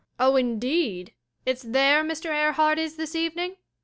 ] Oh, indeed! It's there Mr. Erhart is this evening?